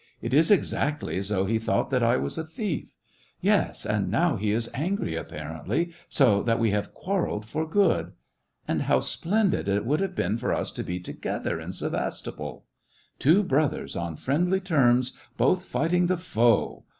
It is exactly as though he thought that I was a thief; yes, and now he is angry, apparently, so that we have quarrelled for good. And how splen did it would have been for us to be together in Sevastopol. Two brothers, on friendly terms, both fighting the foe